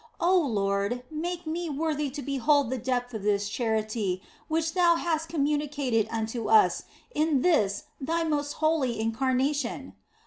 Oh Lord, make me worthy to behold the depth of this charity which Thou hast com municated unto us in this Thy most holy Incarnation